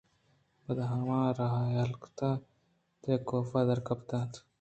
پدا آ ہما راہ ءَہالءِ تہا پُترت کہ کاف درکپتگ اَت